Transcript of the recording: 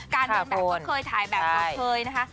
ก็เคยถ่ายแบบก็เคยนะคะ